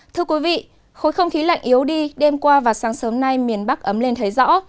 thưa quý vị khối không khí lạnh yếu đi đêm qua và sáng sớm nay miền bắc ấm lên thấy rõ